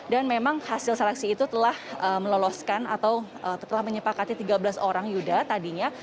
dan memang hasil seleksi itu telah meloloskan atau telah menyepakati tiga belas orang yuda tadinya